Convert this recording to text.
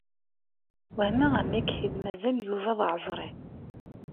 Wehmeɣ amek i d-mazal Yuba d aɛeẓri.